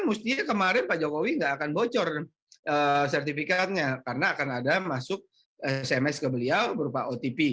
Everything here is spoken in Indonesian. mestinya kemarin pak jokowi nggak akan bocor sertifikatnya karena akan ada masuk sms ke beliau berupa otp